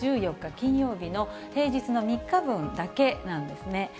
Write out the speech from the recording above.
金曜日の平日の３日分だけなんですね。